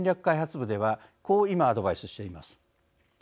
開発部ではこう今アドバイスしています。